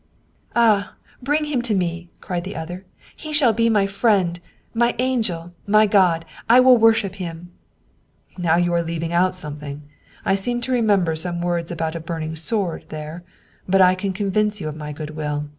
" Ah ! bring him to me !" cried the other. " He shall be my friend, my angel, my God I will worship him !"" Now you are leaving out something. I seem to re member some words about a burning sword there. But I can convince you of my good will.